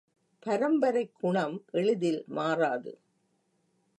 பரம்பரைக்குணம் எளிதில் மாறாது.